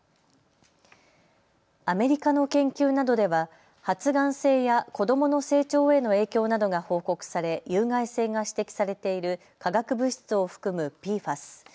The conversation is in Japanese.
アメリカの研究などでは発がん性や子どもの成長への影響などが報告され有害性が指摘されている化学物質を含むＰＦＡＳ。